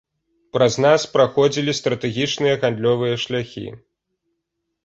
Праз нас праходзілі стратэгічныя гандлёвыя шляхі.